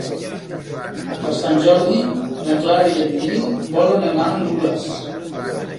Per Sant Jordi na Clara i en Nil volen anar a Nulles.